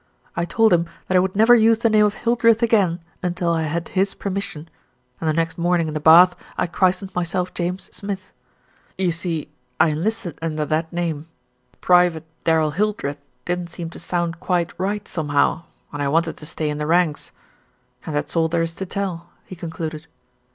I told him that I would never use the name of Hildreth again until I had his permission, and the next morning in the bath I christened myself James Smith. You see I en listed under that name. Private Darrell Hildreth didn't seem to sound quite right somehow, and I wanted to stay in the ranks. And that's all there is to tell," he concluded.